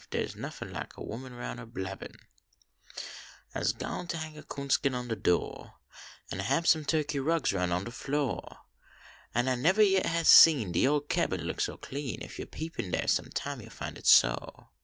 Dar s nnffin like a woman roun er blabbin . Ise gwine ter hang 1 a coon skin on de do , Kn hab some Turkey rugs roun on de flo ; An I nevah yet hab seen, De ole cabin look ser clean, Kf yo peep in dar some time yo ll fin it so.